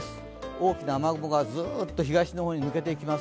大きな雨雲がずっと東の方へ抜けていきます。